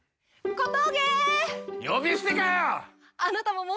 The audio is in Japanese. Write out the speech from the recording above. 小峠。